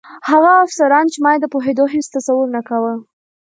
هغه افسران چې ما یې د پوهېدو هېڅ تصور نه کاوه.